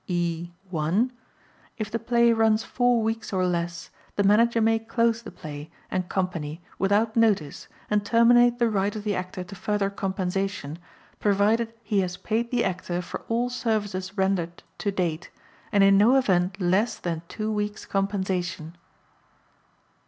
E. (1) If the play runs four weeks or less, the Manager may close the play and company without notice, and terminate the right of the Actor to further compensation, provided he has paid the Actor for all services rendered to date, and in no event less than two weeks' compensation.